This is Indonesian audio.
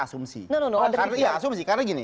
asumsi karena gini